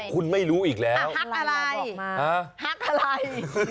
คุณไม่รู้อีกแล้วฮักอะไรฮักอะไรบอกมาฮักอะไรฮักอะไร